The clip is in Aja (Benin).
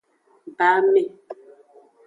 Ba ame.